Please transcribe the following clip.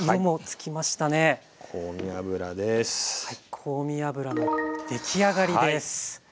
香味油の出来上がりです。